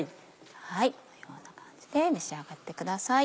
このような感じで召し上がってください。